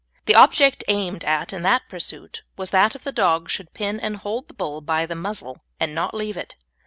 The object aimed at in that pursuit was that the dog should pin and hold the bull by the muzzle, and not leave it.